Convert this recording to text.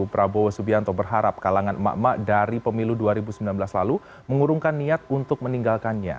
prabowo subianto berharap kalangan emak emak dari pemilu dua ribu sembilan belas lalu mengurungkan niat untuk meninggalkannya